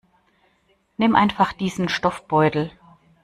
Nimm einfach diesen Stoffbeutel.